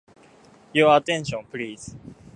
Your attention, please.